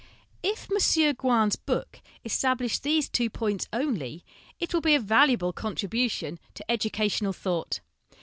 If M. Gouin's book establish these two points only, it will be a valuable contribution to educational thought.